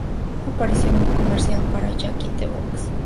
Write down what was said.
Apareció en um comercial para Jack in the Box.